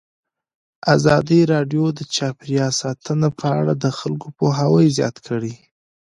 ازادي راډیو د چاپیریال ساتنه په اړه د خلکو پوهاوی زیات کړی.